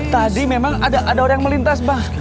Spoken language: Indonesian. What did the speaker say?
tadi memang ada orang yang melintas bah